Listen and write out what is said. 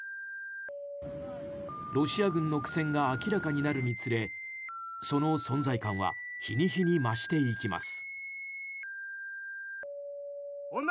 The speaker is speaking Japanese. ロシア軍の苦戦が明らかになるにつれその存在感は日に日に増していきます。